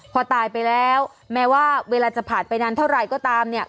พอตายไปแล้วแม้ว่าเวลาจะผ่านไปนานเท่าไหร่ก็ตามเนี่ย